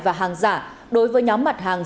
và hàng giả đối với nhóm mặt hàng